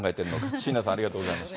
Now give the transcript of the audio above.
椎名さん、ありがとうございました。